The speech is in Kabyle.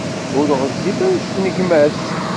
Ur ɣezzif anect n gma-s.